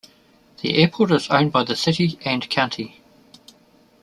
The airport is owned by the city and county.